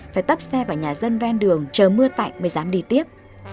phải tấp xe vào nhà dân ven đường chờ mưa tạnh mới dám đi tiếp